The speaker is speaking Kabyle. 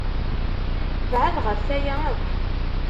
Bɛed ɣef waya akk!